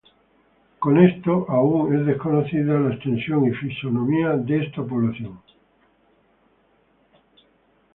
Aún con esto es desconocida aún la extensión y fisonomía de esta población.